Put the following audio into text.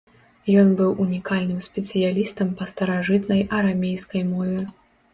Ён быў унікальным спецыялістам па старажытнай арамейскай мове.